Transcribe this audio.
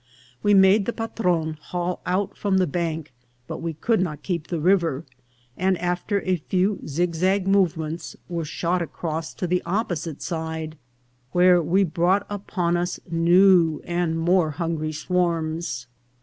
We made the patron haul out from the bank, but we could not keep the river, and, after a few zigzag movements, were shot across to the oppo site side, where we brought upon us new and more hungry swarms.